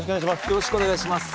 よろしくお願いします。